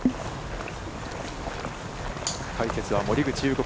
解説は森口祐子